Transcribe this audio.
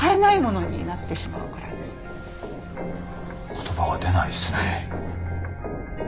言葉が出ないですね。